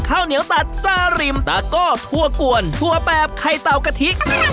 ข้าวเหนียวตัดซ่าริมแล้วก็ทั่วกวลทั่วแปบไข่เตากะทิ